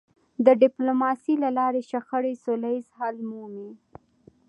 د ډيپلوماسی له لارې شخړې سوله ییز حل مومي.